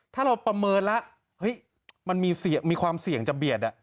ถ้าเราประเมินแล้วเฮ้ยมันมีความเสี่ยงจะเบียด